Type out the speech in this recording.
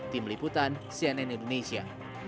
tim liputan cnn indonesia